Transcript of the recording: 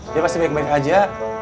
dia pasti baik baik aja